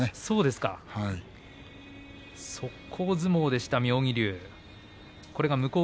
速攻相撲でした妙義龍。